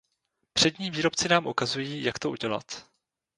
Přední výrobci nám ukazují, jak to udělat.